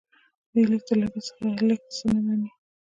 دوی د لږ تر لږه څخه لږ څه نه مني